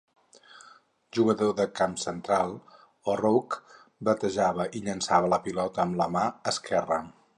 Jugador de camp central, O'Rourke batejava i llençava la pilota amb la mà esquerra.